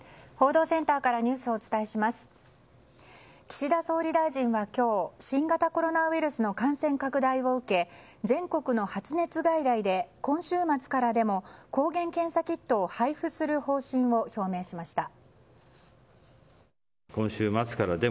岸田総理大臣は今日新型コロナウイルスの感染拡大を受け全国の発熱外来で今週末からでも抗原検査キットを配布する方針を表明しました。